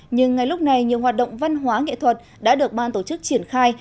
nhưng ngay lúc này nhiều hoạt động văn hóa nghệ thuật đã được ban tổ chức triển khai